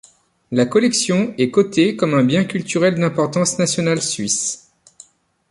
La collection est cotée comme un bien culturel d'importance nationale suisse.